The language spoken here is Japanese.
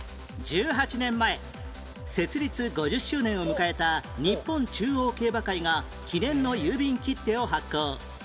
１８年前設立５０周年を迎えた日本中央競馬会が記念の郵便切手を発行